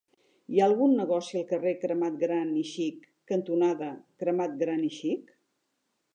Hi ha algun negoci al carrer Cremat Gran i Xic cantonada Cremat Gran i Xic?